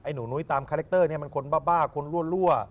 หนูนุ้ยตามคาแรคเตอร์นี้มันคนบ้าคนรั่ว